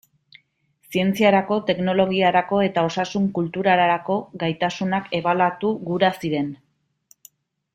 Zientziarako, teknologiarako eta osasun kulturarako gaitasunak ebaluatu gura ziren.